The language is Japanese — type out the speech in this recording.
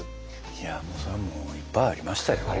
いやもうそれはもういっぱいありましたよ。